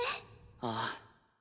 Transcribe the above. ああ。